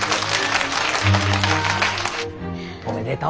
おめでとう。